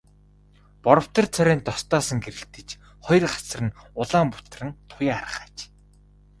Боровтор царай нь тос даан гэрэлтэж, хоёр хацар нь улаа бутран туяарах аж.